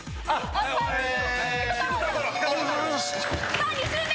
さぁ２周目！